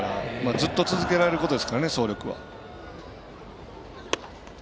ずっと続けられることですからね走力は。